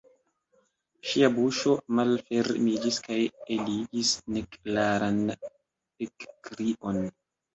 Ŝia buŝo malfermiĝis kaj eligis neklaran ekkrion.